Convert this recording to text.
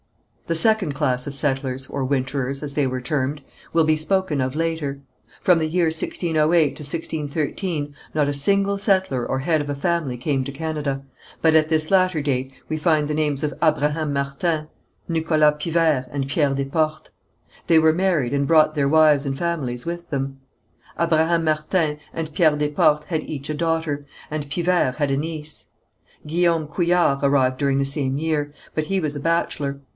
The second class of settlers, or winterers, as they were termed, will be spoken of later. From the year 1608 to 1613 not a single settler or head of a family came to Canada, but at this latter date we find the names of Abraham Martin, Nicholas Pivert and Pierre Desportes. They were married and brought their wives and families with them. Abraham Martin and Pierre Desportes had each a daughter, and Pivert had a niece. Guillaume Couillard arrived during the same year, but he was a bachelor.